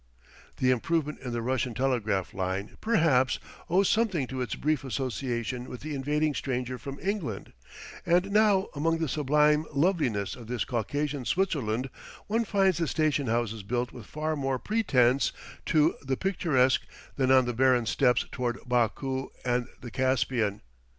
The improvement in the Russian telegraph line, perhaps, owes something to its brief association with the invading stranger from England; and now among the sublime loveliness of this Caucasian Switzerland one finds the station houses built with far more pretence to the picturesque than on the barren steppes toward Baku and the Caspian.